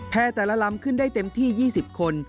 แต่ละลำขึ้นได้เต็มที่๒๐คน